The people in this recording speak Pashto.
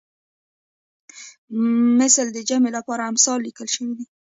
مثل د جمع لپاره امثال لیکل شوی دی